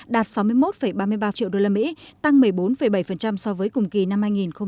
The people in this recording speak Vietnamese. đạt sáu mươi một ba mươi ba triệu usd tăng một mươi bốn bảy so với cùng kỳ năm hai nghìn một mươi chín